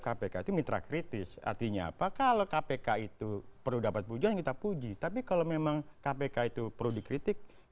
kpk itu mitra kritis artinya apa kalau kpk itu perlu dapat pujian kita puji tapi kalau memang kpk itu perlu dikritik